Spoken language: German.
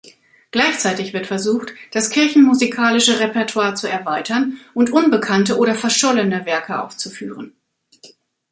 Gleichzeitig wird versucht das kirchenmusikalische Repertoire zu erweitern und unbekannte oder verschollene Werke aufzuführen.